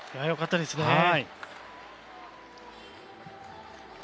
よかったですね。